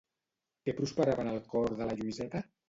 Què prosperava en el cor de la Lluïseta?